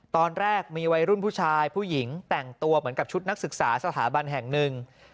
ตอนแรกมีวัยรุ่นผู้ชายผู้หญิงแต่งตัวเหมือนกับชุดนักศึกษาสถาบันแห่งหนึ่ง